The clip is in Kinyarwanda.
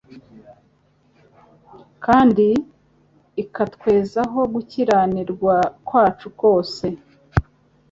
kandi ikatwezaho gukiranimva kwacu kose.'